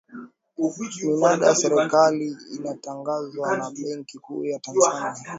minada ya serikali inatangazwa na benki kuu ya tanzania